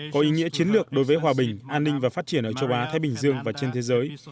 có ý nghĩa chiến lược đối với hòa bình an ninh và phát triển ở châu á thái bình dương và trên thế giới